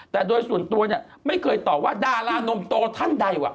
แต่โดยส่วนตัวเนี่ยไม่เคยตอบว่าดารานมโตท่านใดว่ะ